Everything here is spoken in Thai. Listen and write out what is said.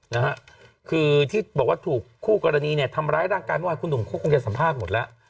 นะฮะคือที่บอกว่าถูกคู่กรณีเนี่ยทำร้ายร่างกายเมื่อวานคุณหนุ่มเขาคงจะสัมภาษณ์หมดแล้ว